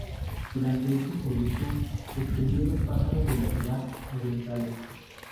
Durante este servicio, describió los pájaros de los Ghats orientales.